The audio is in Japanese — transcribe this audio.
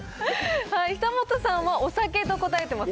久本さんはお酒と答えてますね。